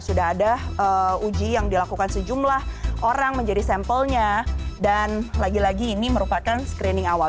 sudah ada uji yang dilakukan sejumlah orang menjadi sampelnya dan lagi lagi ini merupakan screening awal